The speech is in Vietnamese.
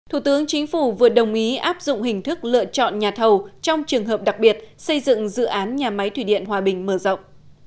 thủ tướng chính phủ vừa đồng ý áp dụng hình thức lựa chọn nhà thầu trong trường hợp đặc biệt xây dựng dự án nhà máy thủy điện hòa bình mở rộng